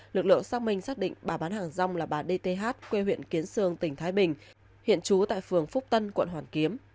lực lượng xác minh xác định bà bán hàng rong là bà dth quê huyện kiến sương tỉnh thái bình hiện trú tại phường phúc tân quận hoàn kiếm